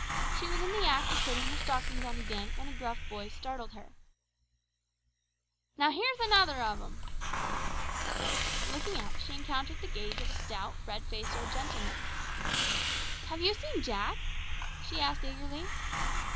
She was in the act of putting her stockings on again, when a gruff voice startled her. "Now here's another of 'em!" Looking up she encountered the gaze of a stout, red faced old gentleman. "Have you seen Jack?" she asked eagerly.